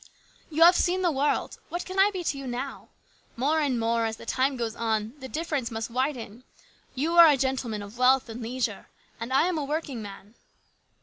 " You have seen the world. What can I be to you now ? More and more, as the time goes on, the difference must widen. You are a gentleman of wealth and leisure, and I am a working man."